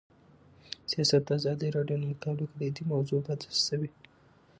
سیاست د ازادي راډیو د مقالو کلیدي موضوع پاتې شوی.